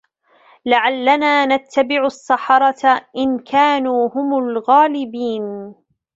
لَعَلَّنَا نَتَّبِعُ السَّحَرَةَ إِنْ كَانُوا هُمُ الْغَالِبِينَ